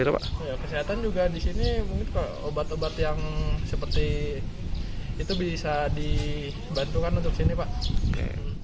juga disini obat obat yang seperti itu bisa dibantukan untuk sini pak